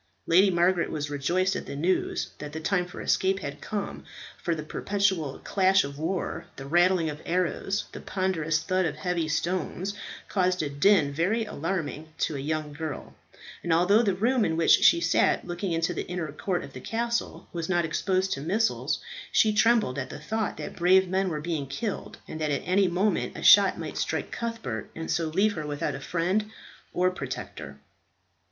Lady Margaret was rejoiced at the news that the time for escape had come, for the perpetual clash of war, the rattling of arrows, the ponderous thud of heavy stones, caused a din very alarming to a young girl; and although the room in which she sat, looking into the inner court of the castle, was not exposed to missiles, she trembled at the thought that brave men were being killed, and that at any moment a shot might strike Cuthbert, and so leave her without a friend or protector.